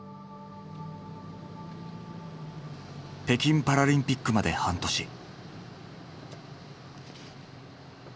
北京パラリンピックまで半年。